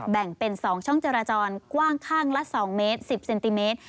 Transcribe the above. แบ่งเป็น๒ช่องจราจรกว้างข้างละ๒เมตร๑๐เซนติเมตร